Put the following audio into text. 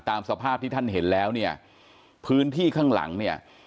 ตามสภาพที่ท่านเห็นแล้วเนี่ยพื้นที่ข้างหลังเนี่ย